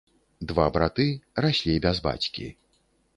Два браты, раслі без бацькі.